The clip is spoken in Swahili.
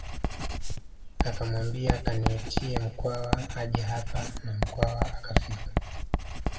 Akamwambia kaniitie Mkwawa aje hapa na Mkwawa akafika